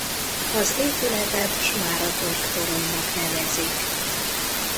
Az épületet Smáratorg-toronynak nevezik.